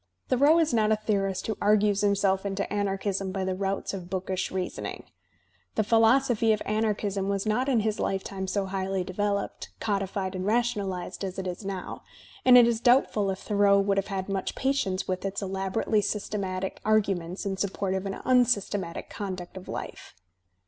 Thoreau is not a theorist who argues himself into anar chism by the routes of bookish reasoning. The philosophy of anarchism was not in his lifetime so highly developed, codified and rationalized as it is now; and it is doubtful if Thoreau would have had much patience with its elaborately Digitized by Google THOREAU 177 systematic arguments in support of an uni^stematic conduct of life.